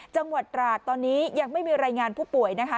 จังหวัดตราดตอนนี้ยังไม่มีรายงานผู้ป่วยนะคะ